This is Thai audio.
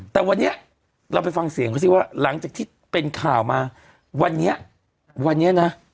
แต่วันนี้เราไปฟังเสียงเขาสิว่าหลังจากที่เป็นข่าวมาวันนี้วันนี้นะ